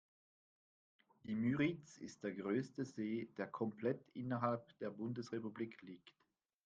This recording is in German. Die Müritz ist der größte See, der komplett innerhalb der Bundesrepublik liegt.